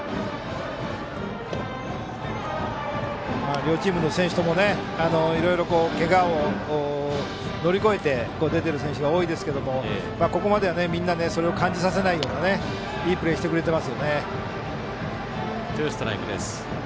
両チームの選手ともいろいろとけがを乗り越えて出てる選手が多いんですけれどもここまではみんなそれを感じさせないようないいプレーをしてくれていますね。